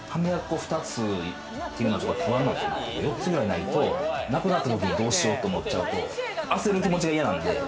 ２つというのは不安で４つくらいないと、なくなったときに、どうしようと思っちゃうと焦る気持ちが嫌なんで。